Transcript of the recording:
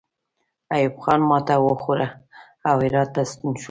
ایوب خان ماته وخوړه او هرات ته ستون شو.